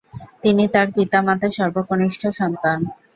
তিনি তার পিতামাতার সর্বকনিষ্ঠ সন্তান।